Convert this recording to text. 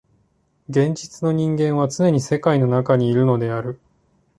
現実の人間はつねに世界の中にいるのである。